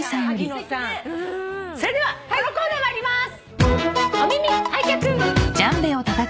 それではこのコーナー参ります！